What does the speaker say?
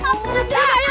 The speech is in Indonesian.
tidak penting petanya